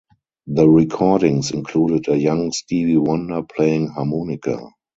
The recordings included a young Stevie Wonder playing harmonica.